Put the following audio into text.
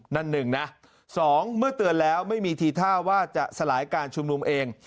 หนึ่งนะสองเมื่อเตือนแล้วไม่มีทีท่าว่าจะสลายการชุมนุมเอง